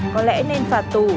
có lẽ nên phạt tù